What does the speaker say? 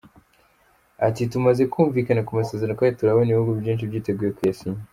Ati “Tumaze kumvikana ku masezerano kandi turabona ibihugu byinshi byiteguye kuyasinya.